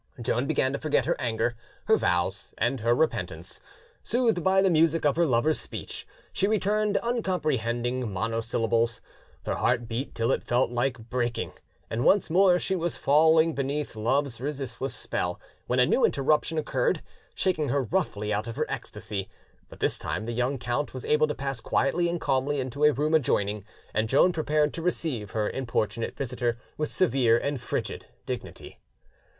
Joan began to forget her anger, her vows, and her repentance: soothed by the music of her lover's speech, she returned uncomprehending monosyllables: her heart beat till it felt like breaking, and once more she was falling beneath love's resistless spell, when a new interruption occurred, shaking her roughly out of her ecstasy; but this time the young count was able to pass quietly and calmly into a room adjoining, and Joan prepared to receive her importunate visitor with severe and frigid dignity.